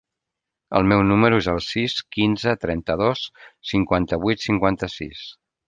El meu número es el sis, quinze, trenta-dos, cinquanta-vuit, cinquanta-sis.